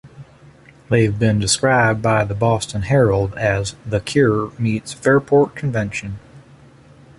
They've been described by the "Boston Herald" as The Cure-meets-Fairport Convention.